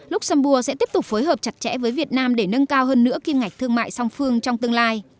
luxembourg sẽ tiếp tục phối hợp chặt chẽ với việt nam để nâng cao hơn nữa kim ngạch thương mại song phương trong tương lai